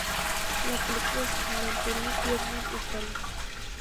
La película se filmó en Turin, Piedmont, Italia.